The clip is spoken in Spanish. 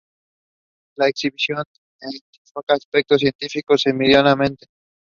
Las exhibiciones enfatizan aspectos científicos y medioambientales.